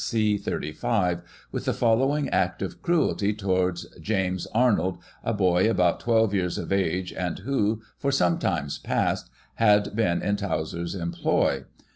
c. 35, with the following act of cruelty towards James Arnold, a boy about 12 years of age, and who, for some time past, had been in Towser's employ.